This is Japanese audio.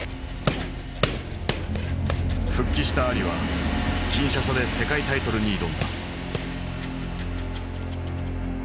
復帰したアリはキンシャサで世界タイトルに挑んだ。